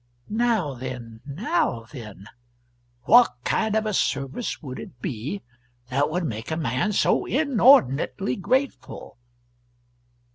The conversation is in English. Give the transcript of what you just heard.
Now, then now, then what kind of a service would it be that would make a man so inordinately grateful?